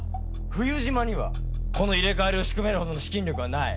冬島にはこの入れ替わりを仕組めるほどの資金力はない。